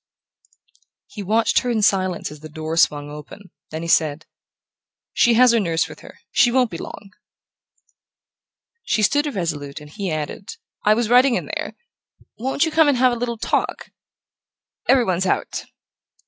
He watched her in silence as the door swung open; then he said: "She has her nurse with her. She won't be long." She stood irresolute, and he added: "I was writing in there won't you come and have a little talk? Every one's out."